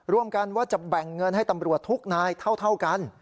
ว่าจะแบ่งเงินให้ตำรวจทุกนายเท่ากัน